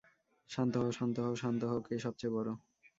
শান্ত হও শান্ত হও, শান্ত হও কে সবচেয়ে বড়?